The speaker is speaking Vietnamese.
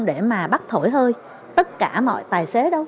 để mà bắt thổi hơi tất cả mọi tài xế đâu